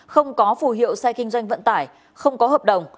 không có phù hiệu xe kinh doanh vận tải không có hợp đồng